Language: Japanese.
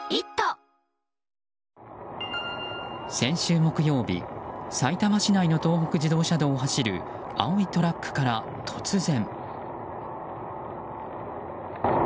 先週木曜日、さいたま市内の東北自動車道を走る青いトラックから突然。